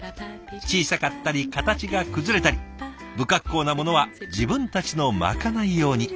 小さかったり形が崩れたり不格好なものは自分たちのまかない用に。